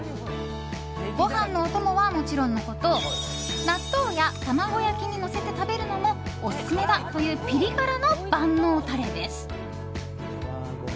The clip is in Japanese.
ご飯のお供はもちろんのこと納豆や卵焼きにのせて食べるのもオススメだというピリ辛の万能タレです。